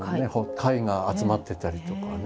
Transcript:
貝が集まってたりとかね